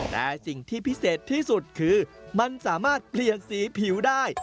แต่สิ่งที่พิเศษที่สุดคือมันสามารถเปลี่ยนสีผิวได้